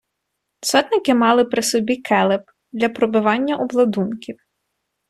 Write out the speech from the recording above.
Сотники мали при собі келеп для пробивання обладунків.